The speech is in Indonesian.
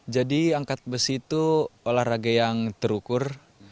jadi angkat besi itu olahraga yang terukur